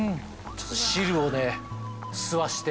ちょっと汁をね吸わせて。